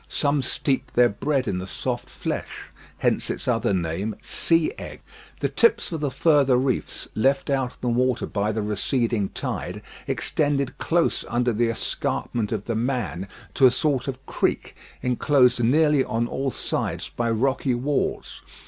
Some steep their bread in the soft flesh. Hence its other name, "Sea egg." The tips of the further reefs, left out of the water by the receding tide, extended close under the escarpment of "The Man" to a sort of creek, enclosed nearly on all sides by rocky walls.